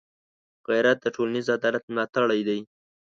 غیرت د ټولنيز عدالت ملاتړی دی